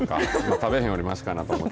食べへんよりましかなと思って